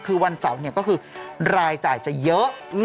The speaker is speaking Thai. คือวันเสาร์ก็คือรายจ่ายจะเยอะ